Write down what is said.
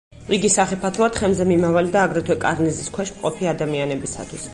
იგი სახიფათოა თხემზე მიმავალი და აგრეთვე კარნიზის ქვეშ მყოფი ადამიანებისათვის.